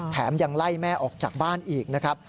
ยังไล่แม่ออกจากบ้านอีกนะครับ